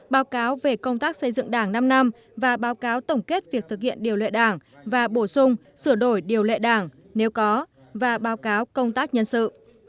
báo cáo về công tác xây dựng đảng năm năm và báo cáo tổng kết việc thực hiện điều lệ đảng và bổ sung sửa đổi điều lệ đảng nếu có và báo cáo công tác nhân sự